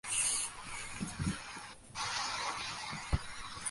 একটা কুইক প্রশ্ন, প্রতিটা দিন-ই তোমার এই মাথাব্যথা চলে, তাই না?